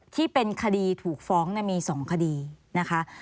ที่เป็นคดีถูกฟ้องมี๒คดีนะคะ